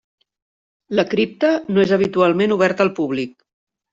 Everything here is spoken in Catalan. La cripta no és habitualment oberta al públic.